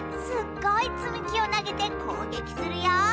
すっごいつみきをなげてこうげきするよ！